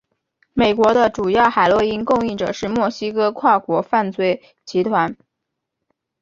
美国的主要海洛因供应者是墨西哥跨国犯罪集团。